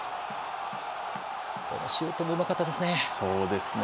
このシュートもうまかったですね。